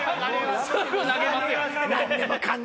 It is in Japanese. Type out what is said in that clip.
すぐ投げますやん。